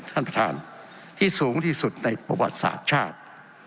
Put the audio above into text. ท่านประธานที่สูงที่สุดในประวัติศาสตร์ชาติ